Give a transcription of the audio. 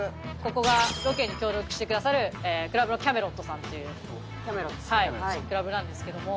ここがロケに協力してくださるクラブのＣＡＭＥＬＯＴさんというクラブなんですけども。